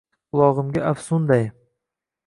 Quchog’imga afsunday